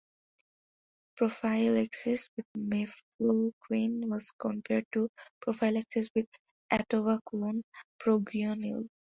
Prophylaxis with mefloquine was compared to prophylaxis with atovaquone-proguanil.